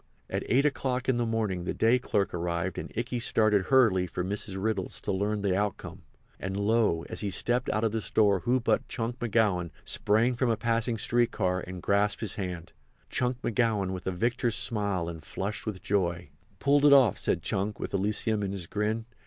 At eight o'clock in the morning the day clerk arrived and Ikey started hurriedly for Mrs. Riddle's to learn the outcome. And, lo! as he stepped out of the store who but Chunk McGowan sprang from a passing street car and grasped his hand—Chunk McGowan with a victor's smile and flushed with joy. "Pulled it off," said Chunk with Elysium in his grin.